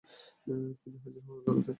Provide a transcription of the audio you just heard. তিনি হাজির হন আদালতে।